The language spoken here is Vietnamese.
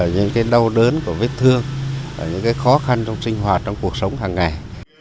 những đau đớn của vết thương những khó khăn trong sinh hoạt trong cuộc sống hàng ngày